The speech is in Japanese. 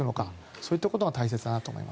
こういったことが大切だと思います。